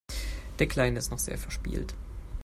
Der Kleine ist noch sehr verspielt.